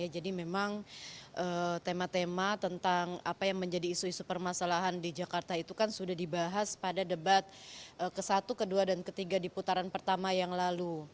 jadi memang tema tema tentang apa yang menjadi isu isu permasalahan di jakarta itu kan sudah dibahas pada debat ke satu ke dua dan ke tiga di putaran pertama yang lalu